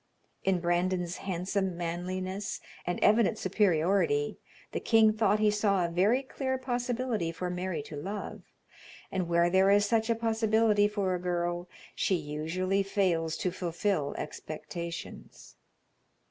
In Brandon's handsome manliness and evident superiority, the king thought he saw a very clear possibility for Mary to love, and where there is such a possibility for a girl, she usually fails to fulfill expectations.